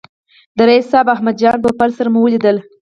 د رییس صاحب احمد جان پوپل سره مو ولیدل.